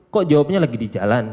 kok jawabnya lagi di jalan